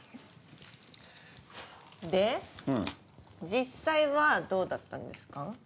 実際はどうだったんですか？